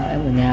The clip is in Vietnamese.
em ở nhà